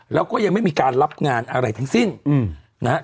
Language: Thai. แล้วก็ยังไม่มีการรับงานอะไรทั้งสิ้นนะฮะ